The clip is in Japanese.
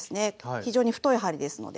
非常に太い針ですので。